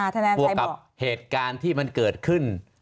บวกกับเหตุการณ์ที่มันเกิดขึ้น